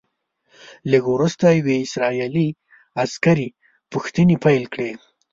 لږ وروسته یوې اسرائیلي عسکرې پوښتنې پیل کړې.